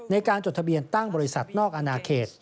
จดทะเบียนตั้งบริษัทนอกอนาเขต